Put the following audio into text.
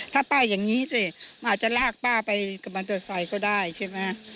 ถ้าป้าอย่างนี้สิมันอาจจะลากป้าไปกะบันตรวจไฟก็ได้